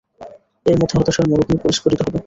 এর মাধ্যমে হতাশার মরুভূমি পরিষ্ফুটিত হবে।